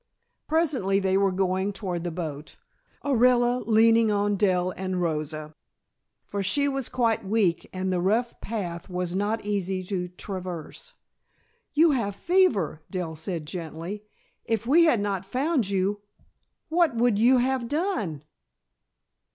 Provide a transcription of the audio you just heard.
Presently they were going toward the boat, Orilla leaning on Dell and Rosa, for she was quite weak and the rough path was not easy to traverse. "You have fever," Dell said gently. "If we had not found you, what would you have done?"